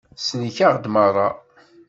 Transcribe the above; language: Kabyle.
Tsellek-aɣ-d merra.